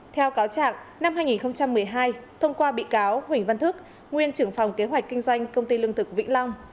theo cáo trạng năm hai nghìn một mươi hai thông qua bị cáo huỳnh văn thức nguyên trưởng phòng kế hoạch kinh doanh công ty lương thực vĩnh long